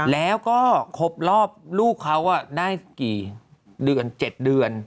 แล้วก็ครบรอบลูกเขาได้กี่เดือน๗เดือน